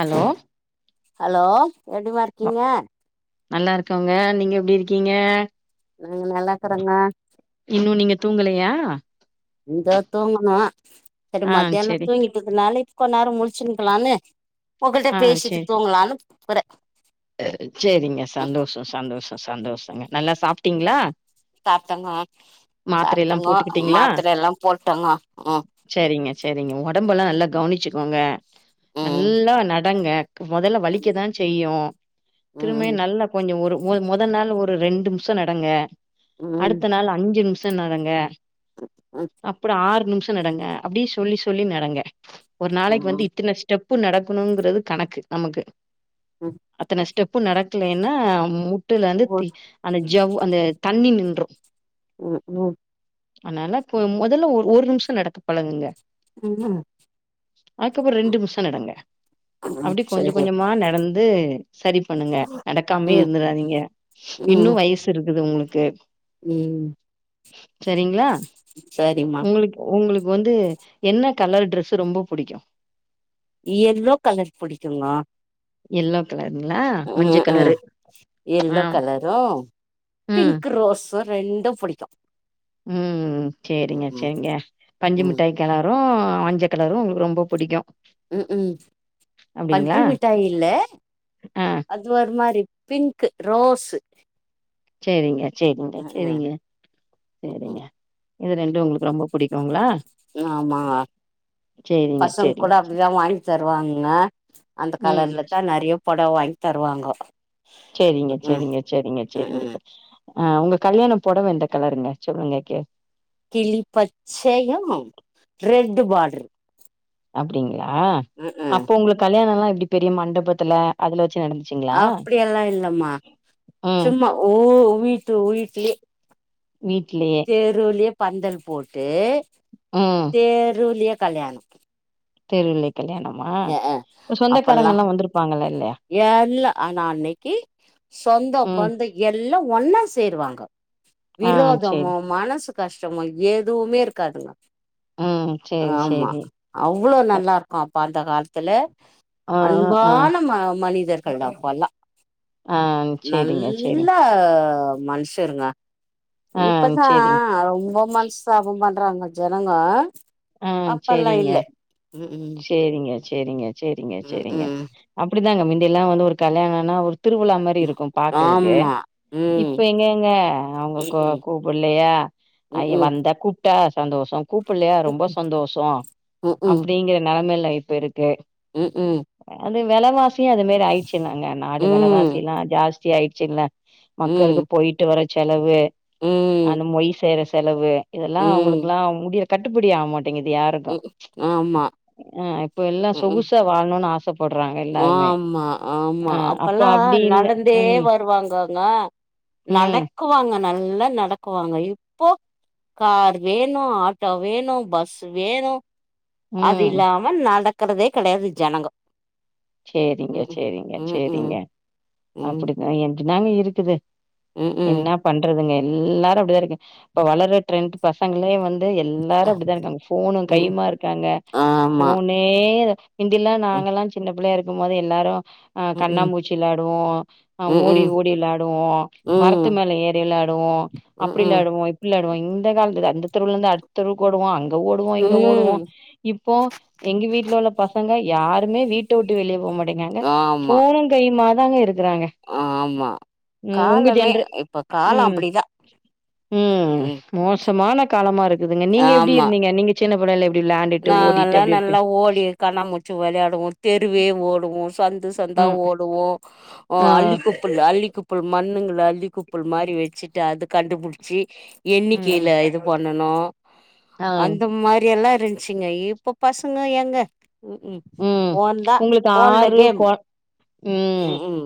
Hello hello எப்டிமார்க்கிங்க நல்லா இருக்கேங்க நீங்க எப்டி இருக்கீங்க நாங்க நல்லா இருக்கறங்க இன்னு நீங்க தூங்கலையா இந்தா தூங்கணு சரி ஆ மத்தியான செரி தூங்கிட்டதுனால இப்ப நேரோ முளிச்சுன்ருக்கலானு உங்கள்ட்ட ஆ பேசிட்டு தூங்கலான்னு கூப்பறே சேரிங்க சந்தோஷோ சந்தோஷோ சந்தோஷோங்க நல்லா சாப்ட்டீங்களா சாப்ட்டேங்க மாத்திரை எல்லா சாப்ட்டங்கோ போட்டுக்கிட்டீங்களா மாத்திர எல்லா போட்டோங்கோ ம் சேரிங்க சேரிங்க உடம்ப எல்லா நல்லா கவனிச்சுக்கோங்க ம் நல்லா நடங்க மொதல்ல ம் வலிக்கதா செய்யு திரும்ப ம் நல்லா கொஞ்சோ ஒரு ஒரு மொத நாள் ஒரு ரெண்டு நிமிஷ நடங்க ம் ம் அடுத்த நாள் அஞ்சு நிமிஷ நடங்க அப்புறோ ஆறு நிமிஷ நடங்க அப்டியே சொல்லி சொல்லி நடங்க ஒரு நாளைக்கு ம் வந்து இத்தன ஸ்டெப்பு நடக்கணுங்குறது கணக்கு நமக்கு அத்தன ஸ்டெப்பு நடக்கலைன்னா முட்டுலந்து தி அந்த ஜவ் அந்த தண்ணி நின்று ம் ம் அனால இப்ப மொதல்ல ஒரு நிமிஷ நடக்க பழகுங்க ம் அதுக்கப்பற ரெண்டு நிமிஷ நடங்க ம் அப்டி கொஞ்சோ சரி கொஞ்சமா நடந்து சரி பண்ணுங்க நடக்காமயே ம் இருந்துறாதீங்க இன்னு ம் வயசு இருக்குது உங்குளுக்கு ம் சரிமா உங் உங்களுக்கு வந்து என்ன கலர் ட்ரஸு ரொம்ப புடிக்கு எல்லோ கலர் புடிக்குமா எல்லோ கலருங்களா மஞ்ச ம் கலரு ம் ஆ எல்லோ கலரா ம் பிங்க் ரோஸ் ரெண்டு புடிக்கு ம் ம் செரிங்க ம் செரிங்க ம் பஞ்சுமிட்டாய் கலரு மஞ்ச கலரு உங்களுக்கு ரொம்ப புடிக்கு ம் க்கு பஞ்சு அப்டிங்களா மிட்டாயில்ல ஆ அது இது ஒரு மாரி பிங்க்கு ரோஸு செரிங்க செரிங்க ம் ம் செரிங்க ம் செரிங்க ம் இது ரெண்டு உங்களுக்கு ரொம்ப புடிக்குங்ளா ஆமா பசங்க கூட சேரிங்க அப்டிதா வாங்கி தருவாங்க அந்த ம் கலர்லதா நறைய பொடவ வாங்கி தருவாங்க செரிங்க செரிங்க செரிங்க ம் செரிங்க ம் ஆ உங்க கல்யாண பொடவ எந்த கலருங்க சொல்லுங்க கே கிளி பச்சையு ரெட்டு பாட்ரு அப்டிங்களா ம் அப்போ உங்களுக் கல்யாணல்லா எப்டி பெரிய மண்டபத்துல அதுல வச்சு நடந்து அப்படியல்லா இல்லம்மா ம் சும்மா ஊ வீட்டு வீட்லயே வீட்லயே தெருவுலயே பந்தல் போட்டு ம் தெருவுலயே கல்யாண தெருவுலயே கல்யாணமா அ அப்பல்லா சொந்தக்காரங்கல்லா வந்துருப்பாங்கள இல்லையா எல்லா ஆனா அன்னைக்கு சொந்தோ ம் பந்தோ எல்லா ஒன்னா சேருவாங்க ஆ விரோதமு சேரி மனசு கஷ்டமு எதுவுமே இருக்காதுங்க ம் சேரி ஆமா சேரி அவ்ளோ நல்லா இருக்கு அப்ப அந்த காலத்துல ஆ ஆ ஆ அன்பான ம மனிதர் எல்லா அப்பல்லா ஆ சேரிங்க நல்ல சேரிங்க மனஷ் ருங்க ஆ இப்பதா சேரிங்க ரொம்ப மனசு சாப பண்றாங்க ஜனங்க அப்பெல்லா இல்ல ம் ம் செரிங்க செரிங்க செரிங்க ம் செரிங்க ம் அப்டிதாங்க முந்தியல்லா வந்து ஒரு கல்யாணன்னா ஒரு திருவிழா மாரி இருக்கு பாக்குறதுக்கு ஆமா ம் இப்ப எங்கங்க ம் அவுங்க ம் கூப்பல்லையா ஐய ம் வந்தா கூப் டா சந்தோஷ கூப்பல்லயா ம் ரொம்ப சந்தோஷ ம் க்கு நீங்கற நெலைமைல்ல இப்ப இருக்கு ம் ம் அது வெலவாசியு அது மாரி ஆயிடுச்சில்லங்க நாடு ம் ம் வெலவாசில்லா ஜாஸ்தியாயிடுச்சில்ல ம் மக்களுக்கு போயிட்டு வர செலவு ம், அந்த மொய் செய்ற செலவு இதெல்லா ம், அவுங்களுக்குல்லா முடியற கட்டுப்படி ஆகமாட்டேங்குது யார் உ ஆமா ஆ இப்ப எல்லா ம்ஹ்ம். சொகுசா வாழணுன்னு ஆசப் ஆமா ஆமா அப்போ அப்பெல்லா அப்டி இல்ல நடந்தே ம் வருவாங்ககங்க ம் நடக்குவாங்க நல்லா நடக்குவாங்க இப்போ கார் வேணு ஆட்டோ வேணு பஸ் வேணு அது ம் இல்லாம நடக்குறதே கெடையாது ஜனங்க சேரிங்க ம்ஹ்ம். சேரிங்க ம்ஹ்ம். சேரிங்க ம். அப்டித்தா எனக்குந் தாங்க இருக்குது ம்ஹ்ம். என்ன பண்றதுங்க எல்லாரு அப்டிதா இருக்கு இப்ப வளர்ற ட்ரெண்ட் பசங்களே வந்து எல்லாரு அப்டித்தா இருக்காங்க ஃபோனு ம். கையுமா இருக்காங்க ஆமா. ஃபோனே னே முந்தியெல்லா ம். நாங்கல்லா சின்ன பிள்ளையா இருக்கும் போது எல்லாரு ஆ ம்ஹ்ம். கண்ணாமூச்சி வெளாடுவோ ஆ ஓடி ம்ஹ்ம். ஓடி வெளாடுவோ மரத்து ம். மேல ஏறி வெளாடுவோ அப்டி ம்ஹ்ம். வெளாடுவோ வெளாடுவோ இந்த காலத்து அந்த தெருவுல இருந்து அடுத்தெருவுக் ஓடுவோ அங்க ஓடுவோ இங்க ஓடுவோ ம். இப்போ எங்க வீட்டுல உள்ள பசங்க யாருமே வீட்ட விட்டு வெளியே போக மாட்டேங்கிறாங்க ஆமா, ஃபோனும் கையுமா தாங்க இருக்கறாங்க ஆமா. ம் உங்க காலமே ஜன்ற இப்ப காலம் ம் அப்படிதான். ம் மோசமான காலமா இருக்குதுங்க நீங்க எப்டி ஆமா இருந்தீங்க நீங்க சின்ன பிள்ளையில எப்டி வெளாண்டுட்டு ஓடிட்டு அப்டி இருப்பீ கண்ணா மூச்சு வெளயாடுவோ தெருவே ஓடுவோ சந்து சந்தா ம் ஓடுவோ ஓ ஆ அல்லிக்குப்புல் அல்லிக்குப்புல் மண்ணுங்கள அல்லி குப்புல் மாரி வச்சுட்டு அது கண்டுபுடிச்சி ம் எண்ணிக்கையில இது பண்ணனு ஆ அந்த மாரி எல்லா இருந் துச்சிங்க இப்போ பசங்க எங்க ம் ம் ஃபோன் தா உங்களுக்கு ஃபோன்ல ஆறு கேம் கொ ம் ம்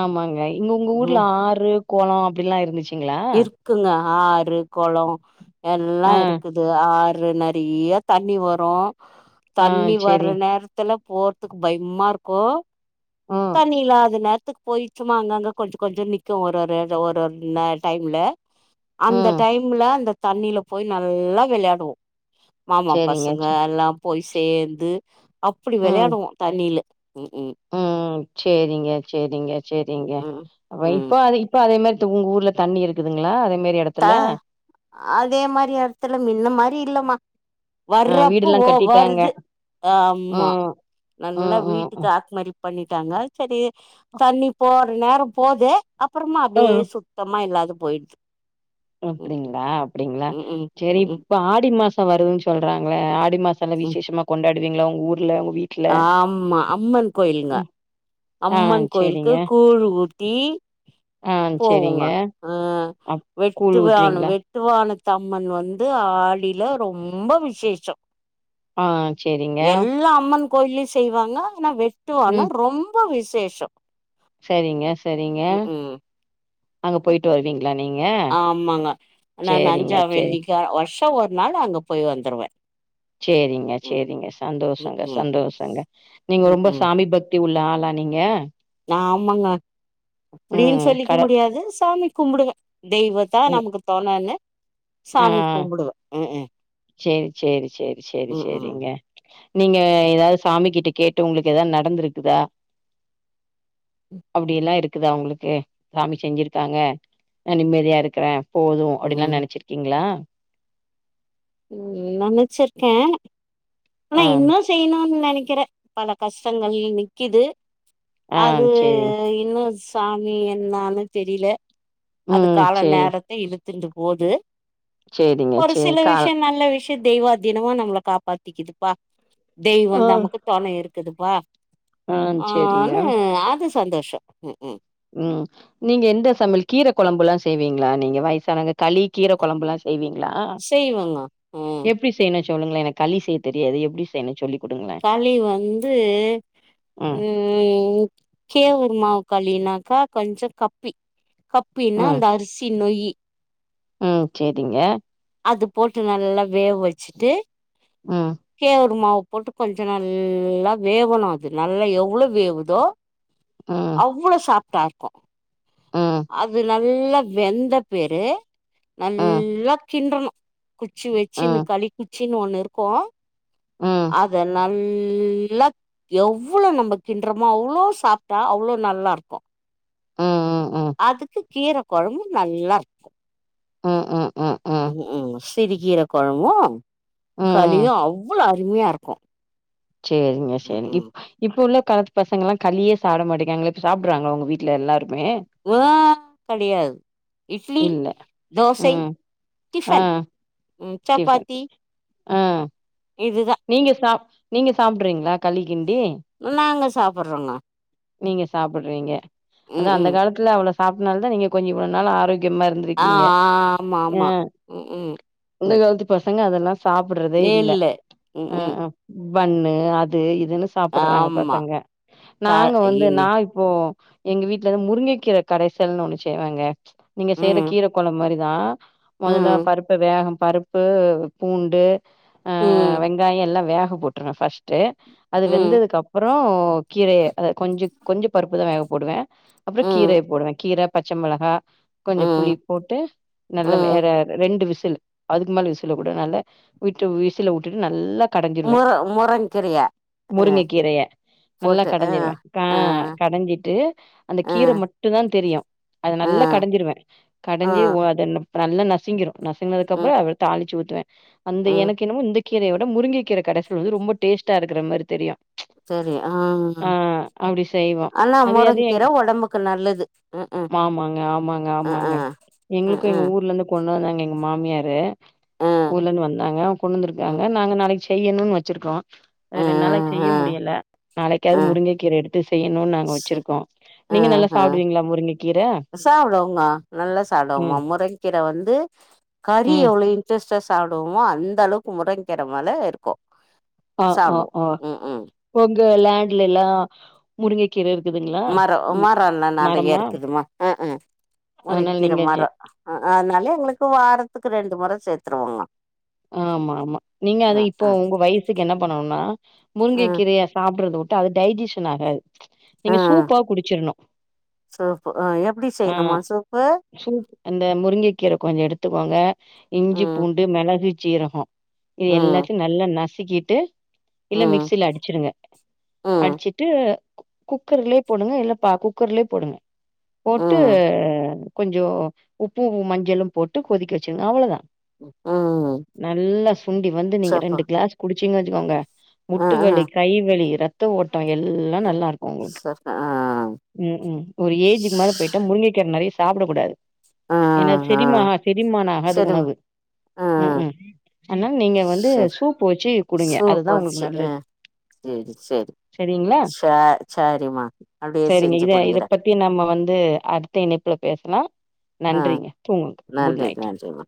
ஆமாங்க இங்க உங்க ம் ஊர்ல ஆறு கொளோ அப்டில்லா இருந்துச்சு இருக்குங்க ஆறு கொளோ எல்லா ஆ இருக்குது து ஆறு நெறைய தண்ணி வரு ஆ தண்ணி சேரிங் வர்ற நேரத்துல போறதுக்கு பயம்மா இருக்கு ம் தண்ணி இல்லாத நேரத்துக்கு போயி சும்மா அங்கங்க கொஞ்ச கொஞ்சோ நிக்கு ஒரு ஒரு ஒரு ஒரு நே டைம்ல அந்த ம் டைம்ல அந்த தண்ணில போய் நல்லா வெளயாடுவோ மாமா சேரிங்க பசங்க சே எல்லா போய் சேந்து அப்படி ம் வெளயாடுவோ தண்ணியில ம் ம் ம் சேரிங்க சேரிங்க சேரிங்க ம் அ ம் இப்ப அது இப்ப அதே மாரி து உங்க ஊர்ல தண்ணி இருக்குதுங்களா அதே மாரி எடத் த அதே மாரி எடத்துல மின்ன மாரி இல்லம்மா ஆ வர்றப்ப வீடுல்லா ஓ கட்டிட்டாங்க வர்து ஆமா ம் நல்லா ம் ம் வீட்டுக்கு ம் ஆத்மரிப் பண்ணிட்டாங்க சரி தண்ணி போற நேரோ போது அப்பறமா ஆ அப்டே சு சுத்தமா இல்லாது போயிடுத்து அப்டிங்களா அப்டிங்களா ம் ம் சரி ம் இப்ப ஆடி மாசம் வருதுன்னு சொல்றாங்களே ஆடி மாசம் நல்ல ம் விசேஷமா கொண்டாடுவீங்களா உங்க ஊர்ல உங்க வீட் ஆமா அம்மன் கோயிலுங்க ஆ அம்மன் கோயிலுக்கு சேரிங்க கூழ் ஊத்தி ஆ போவோங்க சேரிங்க ஆ அப் கூழ் வெட்டுவான ஊத்துவீங்களா வெட்டுவானத்தம்மன் வந்து ஆடில ரொம்ப விசேஷம் ஆ சேரிங்க எல்லா அம்மன் கோயில்லயு செய்யுவாங்க ஆனா வெட்டுவானோ ரொம் ம்ப விசேஷம் செரிங்க செரிங்க ம் அங்க போய்ட்டு வருவீங்ளா நீங்க ஆமாங்க நா சேரிங்க அஞ்சா சேரி வெள்ளிக்கெழ வருஷோ ஒரு நாள் அங்க போய் வந்துருவே சேரிங்க ம் ம் சேரிங்க ம் சந்தோஷங்க ம் சந்தோஷங்க நீங்க ம் ரொம்ப ம் சாமி பக்த் த்தி உள்ள ஆளா நீங்க ஆமாங்க அப்டின்னு ம் சொல்லிக்க கட முடியாது சாமி கும்பிடுவே தெய்வ தா நமக்கு தொணன்னு அ சாமி கும்பிடுவே ம் ம் செரி செரி செரி செரி ம் ம் செரிங்க நீங்க எதாவது சாமி கிட்ட கேட்டு உங்ளுக்கு எதாவது நடந்திருக்குதா அப்டில்லா இருக் இருக்குதா உங்ளுக்கு சாமி செஞ்சிருக்காங்க நா நிம்மதியா இருக்கிறே போது அப்டின்னுல்லா ம் நெனச்சிருக் க்கீங்ளா ம் நெனச்சிருக்கே ஆனா ஆ இன்னு செய்யணும்னு நெனைக்கிறே பல கஷ்டங்கள் நிக்கிது ஆ அது சேரிங் இன்னு சாமி என்னான்னு தெரில அது ம் கால சேரி நேரத்த இழுத்துக்கிட்டு போது சேரிங்க ஒரு சேரி சில கால் விஷயோ நல்ல விஷயோ தெய்வா தினமும் நம்மள காப்பாத்திக்குதுப்பா தெய்வோ ஆ வந்து நமக்கு தொணை இருக்குதுப்பா ஆ சேரிங்க ஆன்னு அது சந்தோஷோ ம் ம் ம் நீங்க எந்த சமையல் கீரை கொழம்புல்லா செய்வீங்ளா நீங்க வயசானங்க களி கீரை கொழம்புல்லா செய்வீங்ளா செய்வங்க. ம் எப்டி செய்யணு சொல்லுங்ளே எனக்கு களி செய்ய தெரியாது எப்டி செய்யனு சொல்லி குடுங்களே களி வந்து ம் ம் கேவுரு மாவுக்களின்னாக்கா கொஞ்ச கப்பி கப்பின்னா ம் அந்த அரிசி நொய்யி ம் செரிங்க அது போட்டு நல்லா வேவ வெச்சுட்டு ம் கேவரு மாவு போட்டு கொஞ்சோ நல்லா வேவணு அது நல்லா எவ்ளோ வேவுதோ அ அவ்ளோ சாப்டா இருக்கு அது நல்லா வெந்த பிரு ம் நல்லா கின்டனு குச்சி வெச்சுன்னு ம் களி குச்சின்னு ஒண்ணு இருக்கு ம் ம் அத நல் நல்லா எவ்ளோ நம்ம கின்டுறமோ அவ்ளோ சாப்டா அவ்ளோ நல்லா இருக்கு ம் ம் ம் அதுக்கு கீர கொழம்பு நல்லா இருக்கு ம் ம் ம் ம் சிருக்கீர கொழம்பு ம் களியு அவ்ளோ அருமையா இருக்கு சேரிங்க ம் சேரிங்க ம் இப்ப உள்ள காலத்து பசங்க எல்லா களியே சாப்பிடா மாட்டோங்குறாங்ளே இப்ப சாப்டுறாங்ளா உங்க வீட்டுல வீட்ல எல்லாருமே ஆ கெடையாது இட்லி இல்ல தோசை ம் ஆ டிஃபன் ம் டிபன் சப்பாத்தி ஆ இதுதா நீங்க சாப் நீங்க சாப்டுறீங்ளா களி கிண்டி நாங்க சாப்ட்டுறோங்க நீங்க சாப்ட்டிறீங்க அதா ம் அந்த ம் காலத்துல அவ்ளோ சாப்ட்டனால தா நீங்க கொஞ்சோ இவ்ளோ நாள் ஆரோக்கியமா இருந் ஆ ஆ ஆமா ஆமா ம் ம் இந்த கலத்து பசங்க அதெல்லா சாப்புட்றதே இல்ல ம் ம் பண்ணு அது இதுன்னு சாப்புட்றாங்க ஆமா பசங்க க நாங்க வந்து இனி நா இப்போ எங்க வீட்ல முருங்கைக்கீரை கடைசல்னு ஒண்ணு செய்வங்க நீங்க செய்ற ம் கீர கொழம்பு மாரிதா மொதல்ல ம் பருப்பு வேக பருப்பு உப்பு பூண்டு ம் வெங்காயோ எல்லா வேக போட்ருவே ஃபஸ்ட்டு அது ம் வெந்ததுக்கப்புறோ கீரைய கொஞ்சோ கொஞ்சோ பருப்புதா வேக போடுவே அப்புறோ ம் கீரைய போடுவே கீரை பச்ச மொளகா கொஞ்சோ ம் புளிப்போட்டு நல்ல ம் வேற ரெண்டு விசுலு அதுக்கு மேல விசில கூட நல்லா விட்டு விசில உட்டுட்டு நல்லா கடைஞ்சிருவே முர முருங்கீரைய ஆ முருங்க கீரைய நல்லா போட்டு ஆ கடைஞ்சிருவே ஆ கடஞ்சிட்டு அந்த ஆ கீர மட்டுந்தா தெரியு அத ஆ நல்லா கடஞ்சுருவே ஆ கடஞ்சு ஒ அத நல்லா நசிங்கிரு ம் நசுங்குனதுக்கப்பறோ அத தாழுச்சு ஊத்துவே அந்த ம் எனக்கு என்னமோ கீரையோட முருங்க கீரை கடசல் வந்து ரொம்ப டேஸ்டாருக்குற மாரி தெரியு தெரியு ஆ ஆ அப்டி செய்வோ அனா அதே அது முருங்க கீர எங் ஒடம்புக்கு நல்லது ம் ம் ஆமாங்க ஆமாங்க ஆ ஆ ஆமாங்க எங்களுக்கு எங்க ஊர்லந்து கொண்டு வந்தாங்க எங்க மாமியாரு ம் ஊர்லந்து வந்தாங்க ம் கொண்டந்துருக்காங்க நாங்க நாளைக்கி செய்யணுன்னு வச்சுருக்கோ ரெண்டு நாளைக் செய்ய ம்ஹும் முடியல நாளைக்காது ம் முருங்க கீரெடுத்து செய்யணுன்னு நாங்க சே வச்சுருக்கோ நீங்க நல்லா ம்ஹும் சாப்டுவீங்ளா முருங்க கீர சாப்டுவோங்க நல்லா சாப்டுவோமா முருங்கக்கீர வந்து கறி ம் [unintelligible] டேஸ்ட்டா சாப்டுவோமா அந்தளவுக்கு முருங்கீர மேல இருக்கு ஆ ஆ சாப்டுவோ ஆ ம்ஹும் கொஞ்சோ லேண்ட்லல்லா மரோ மரோலா நறையா மரமா இருக்குதுமா அ ஆ அதனால முருங்கீர நீங்க செ மரோ அஹா அதனால எங்களுக்கு வாரத்துக்கு ரெண்டு மொர சேத்துருவோமா ஆமாமா நீங்க அத இப்போ உங்க வயசுக்கு என்ன பண்ணனுனா முருங்க ம் கீரய சாப்புட்றது உட் அது டைஜிஷனாகாது நீங்க ம் சூப்பா குடுச்சர்ணு சூப்பு ஆ எப்டி அ செய்யணுமா சூப்பு சூப் இந்த முருங்கக்கீர கொஞ்சோ எடுத்துக்கோங்க இஞ்சி ம் பூண்டு மெளகு சீரகோ இது ம் எல்லாத்தையு நல்லா நசிக்கிட்டு இல்ல ம் மிக்ஷில அடுச்சுடுங்க ம் அடுச்சுட்டு குக்கர்லயே போடுங்க இல்லப்பா குக்கர்லயே போடுங்க போட்டு ம் கொஞ்சோ உப்பு மஞ்சளு போட்டு கொதிக்க வச்சுருங்க அவ்ளோதா ம் நல்லா சுண்டி வந்து நீங்க சூப்பு ரெண்டு க்ளாஸ் குடுச்சீங்க வெச்சுக்கோங்க ஆ முட்டி ஆ வலி கை வலி ரத் த்தோ ஓட்டோ எல்லா ஆ நல்லாருக்கு உங்களுக்கு சூப்பு ஆ ம் ம் ஒரு ஏஜுக்கு மேல போய் முருங்க கீரை நறயா சாப்டக்கூடாது ஆ எனா ஆ செரிமா செரிமானாகாத சரிம்மா உணவு ஆ ம்ஹூம் அனால நீங்க வந்து சரி சூப் வச்சு குடிங்க அதுதா உங்களுக்கு நல்லது சேரி சேரி சேரிங்களா அப்டியே செரிங்க செஞ்சு இத இத குடிக்கிறே பத்தி நம்ம வந்து அடுத் த்த இனைப்புல பேசலா ஆ நன்றிங்க தூங்குங்க குட் நன்றி நைட் நன்றிம்மா